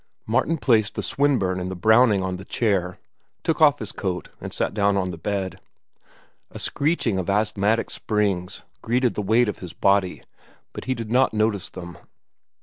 Martin placed the Swinburne and Browning on the chair, took off his coat, and sat down on the bed. A screeching of asthmatic springs greeted the weight of his body, but he did not notice them.